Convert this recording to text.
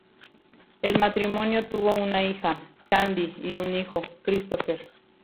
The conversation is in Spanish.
El matrimonio tuvo una hija, Tandy, y un hijo, Christopher.